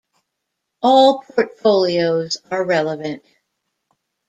All Portfolios are relevant.